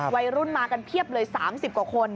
วัยรุ่นมากันเพียบเลย๓๐กว่าคน